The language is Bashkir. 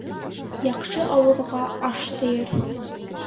Яҡшы ауыҙға аш тейер